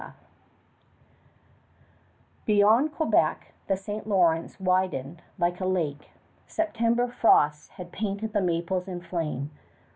(From Ramusio)] Beyond Quebec the St. Lawrence widened like a lake. September frosts had painted the maples in flame.